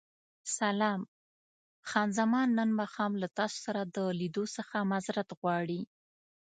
سلام، خان زمان نن ماښام له تاسو سره د لیدو څخه معذورت غواړي.